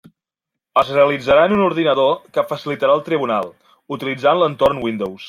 Es realitzarà en un ordinador que facilitarà el tribunal, utilitzant l'entorn Windows.